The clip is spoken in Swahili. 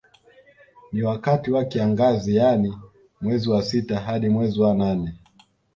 Ni wakati wa kiangazi yani mwezi wa sita hadi mwezi wa nane